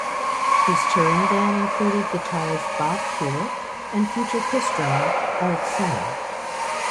His touring band included guitarist Bob Kulick and future Kiss drummer Eric Singer.